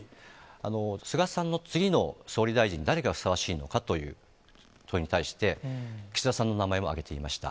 菅さんの次の総理大臣に誰がふさわしいのかという問いに対して、岸田さんの名前を挙げていました。